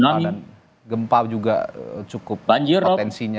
dan gempa juga cukup potensinya